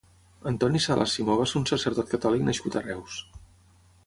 Antoni Salas Simó va ser un sacerdot catòlic nascut a Reus.